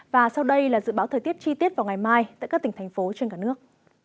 và sau đây là dự báo thời tiết chi tiết vào ngày mai tại các tỉnh thành phố trên cả nước